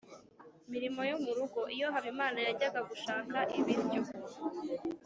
mirimo yo mu rugo. Iyo Habimana yajyaga gushaka ibiryo